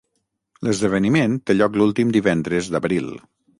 L'esdeveniment té lloc l'últim divendres d'abril.